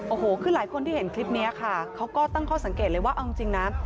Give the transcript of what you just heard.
โอ้โหคือหลายคนที่เห็นคลิปนี้ค่ะเขาก็ตั้งข้อสังเกตเลยว่าเอาจริงนะ